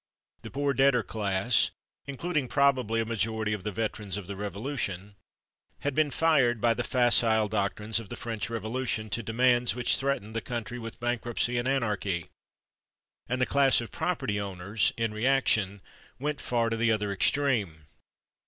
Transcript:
The poor debtor class (including probably a majority of the veterans of the Revolution) had been fired by the facile doctrines of the French Revolution to demands which threatened the country with bankruptcy and anarchy, and the class of property owners, in reaction, went far to the other extreme.